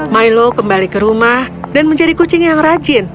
milo kembali ke rumah dan menjadi kucing yang rajin